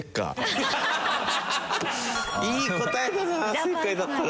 いい答えだな正解だったら。